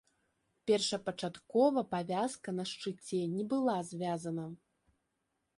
Першапачаткова павязка на шчыце не была звязана.